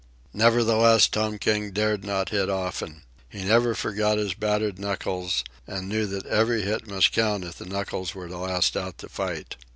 Nevertheless, Tom King dared not hit often. He never forgot his battered knuckles, and knew that every hit must count if the knuckles were to last out the fight.